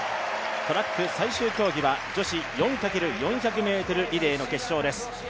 トラック最終競技は女子４×４００ｍリレーの決勝です。